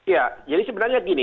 ya jadi sebenarnya gini